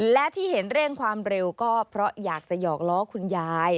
และที่เห็นเร่งความเร็วก็เพราะอยากจะหอกล้อคุณยาย